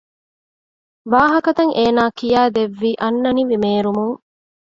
ވާހަކަތައް އޭނާ ކިޔައިދެއްވީ އަންނަނިވި މޭރުމުން